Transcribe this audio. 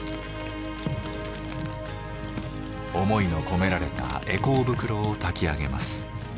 思いの込められた回向袋をたき上げます。